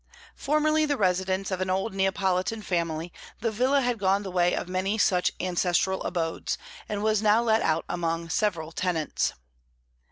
Formerly the residence of an old Neapolitan family, the villa had gone the way of many such ancestral abodes, and was now let out among several tenants.